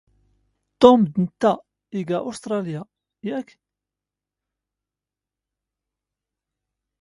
ⵟⵓⵎ ⴰⵡⴷ ⵏⵜⵜⴰ ⵙⴳ ⵓⵙⵜⵕⴰⵍⵢⴰ, ⵏⵖ ⴷ ⵓⵀⵓ?